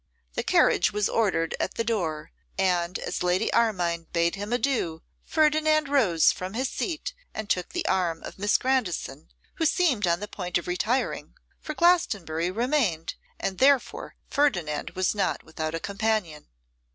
The carriage was ordered, was at the door; and as Lady Armine bade him adieu, Ferdinand rose from his seat and took the arm of Miss Grandison, who seemed on the point of retiring; for Glastonbury remained, and therefore Ferdinand was not without a companion.